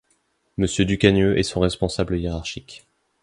Monsieur Ducagneux est son responsable hiérarchique.